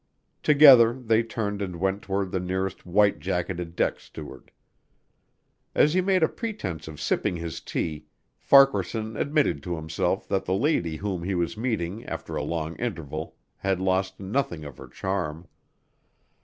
Together they turned and went toward the nearest white jacketed deck steward. As he made a pretense of sipping his tea Farquaharson admitted to himself that the lady whom he was meeting after a long interval had lost nothing of her charm.